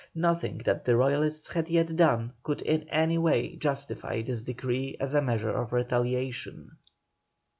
Nothing that the Royalists had yet done could in any way justify this decree as a measure of retaliation.